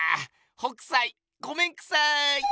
北斎ごめんくさい！